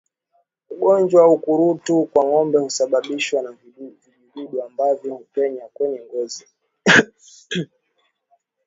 Ugonjwa wa ukurutu kwa ngombe husababishwa na vijidudu ambavyo hupenya kwenye ngozi